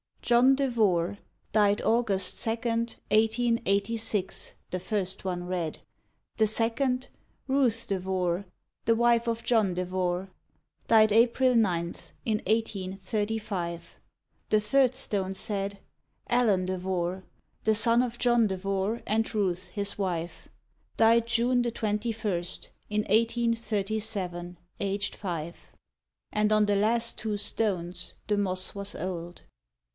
"John Devore, Died August second, eighteen eighty six," The first one read. The second: "Ruth Devore, The wife of John Devore. Died April ninth, In eighteen thirty five." The third stone said: "Allan Devore, the son of John Devore And Ruth, his wife. Died June the twenty first, In eighteen thirty seven, aged five." And on the last two stones the moss was old.